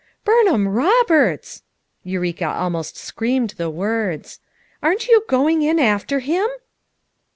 "Burnham Roberts!" Eureka almost screamed the words, "aren't you going in after him!"